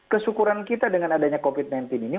kesyukuran kita dengan adanya covid sembilan belas ini